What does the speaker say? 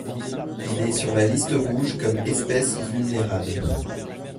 Il est sur la liste rouge comme espèce vulnérable.